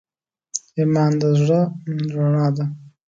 ایمان د زړه رڼا ده.